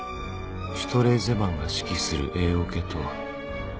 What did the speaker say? シュトレーゼマンが指揮する Ａ オケとあの Ｓ オケ。